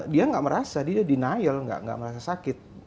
dia nggak merasa dia denial nggak merasa sakit